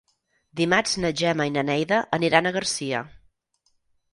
Dimarts na Gemma i na Neida aniran a Garcia.